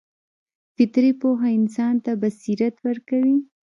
فطري پوهه انسان ته بصیرت ورکوي.